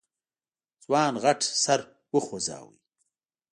ځوان غټ سر وخوځوه.